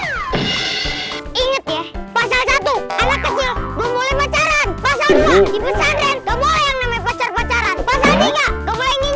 inget ya pasal satu anak kecil gak boleh pacaran pasal dua dibesarin gak boleh yang namanya pacar pacaran pasal tiga gak boleh ngincer